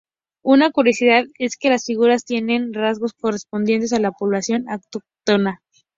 Una curiosidad es que las figuras tienen rasgos correspondientes a la población autóctona.